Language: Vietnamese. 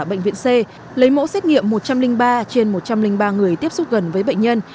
bệnh viện c lấy mẫu xét nghiệm một trăm linh ba trên một trăm linh ba người tiếp xúc gần với bệnh nhân